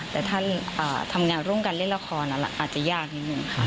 แต่ถ้าทำงานร่วมกันเล่นละครอาจจะยากนิดนึงค่ะ